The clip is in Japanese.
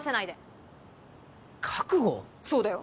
そうだよ！